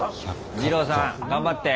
二朗さん頑張って！